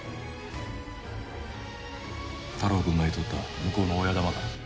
太郎くんが言うとった向こうの親玉か。